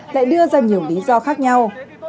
lại đưa ra nhiều lý do khác nhau